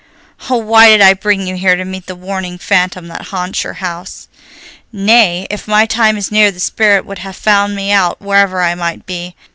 Oh, why did I bring you here to meet the warning phantom that haunts your house!" "Nay, if my time is near the spirit would have found me out wherever I might be.